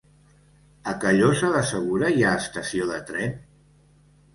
A Callosa de Segura hi ha estació de tren?